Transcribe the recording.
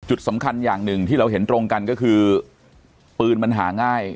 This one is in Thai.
สำคัญอย่างหนึ่งที่เราเห็นตรงกันก็คือปืนมันหาง่าย